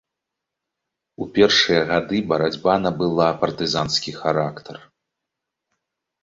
У першыя гады барацьба набыла партызанскі характар.